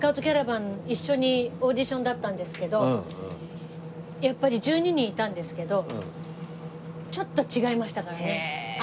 キャラバン一緒にオーディションだったんですけどやっぱり１２人いたんですけどちょっと違いましたからね。